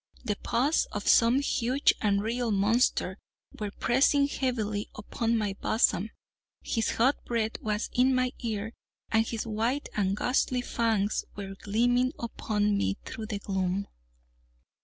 The paws of some huge and real monster were pressing heavily upon my bosom—his hot breath was in my ear—and his white and ghastly fangs were gleaming upon me through the gloom.